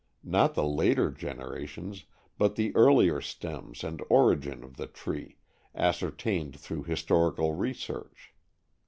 Not the later generations, but the earlier stems and origin of the tree, ascertained through historical research.